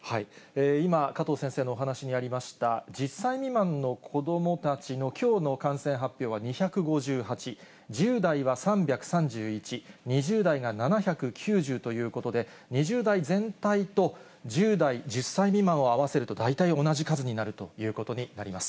今、加藤先生のお話にありました、１０歳未満の子どもたちのきょうの感染発表は２５８、１０代は３３１、２０代が７９０ということで、２０代全体と１０代、１０歳未満を合わせると大体同じ数になるということになります。